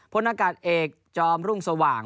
นากาศเอกจอมรุ่งสว่าง